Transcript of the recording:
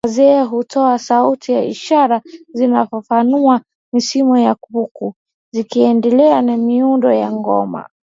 Wazee hutowa sauti na ishara zinazofafanua misemo yao huku zikiendana na midundo ya ngoma